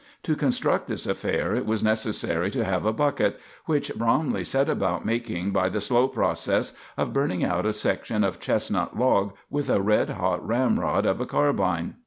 To construct this affair it was necessary to have a bucket, which Bromley set about making by the slow process of burning out a section of chestnut log with the red hot ramrod of a carbine.